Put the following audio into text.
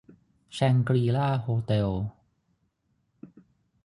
แชงกรี-ลา โฮเต็ล